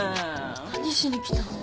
何しに来たの？